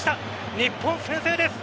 日本先制です。